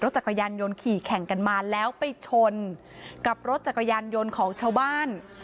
จักรยานยนต์ขี่แข่งกันมาแล้วไปชนกับรถจักรยานยนต์ของชาวบ้าน